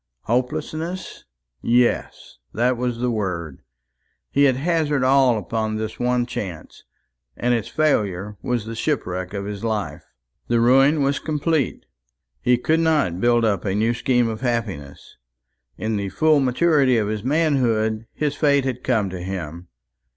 Hopelessness! yes, that was the word. He had hazarded all upon this one chance, and its failure was the shipwreck of his life. The ruin was complete. He could not build up a new scheme of happiness. In the full maturity of his manhood, his fate had come to him.